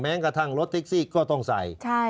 แม้กระทั่งรถแท็กซี่ก็ต้องใส่ใช่